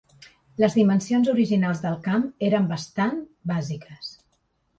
Les dimensions originals del camp eren bastant bàsiques.